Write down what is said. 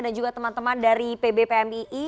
dan juga teman teman dari pbpmii